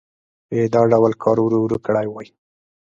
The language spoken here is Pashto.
که یې دا ډول کار ورو ورو کړی وای.